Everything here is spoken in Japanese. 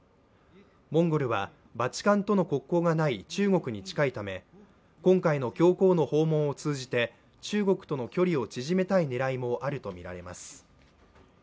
モンゴルはバチカンとの国交がない中国に近いため今回の教皇の訪問を通じて中国との距離を縮めたい狙いもあるとみられます。